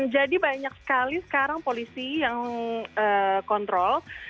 jadi banyak sekali sekarang polisi yang kontrol